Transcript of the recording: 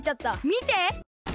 みて！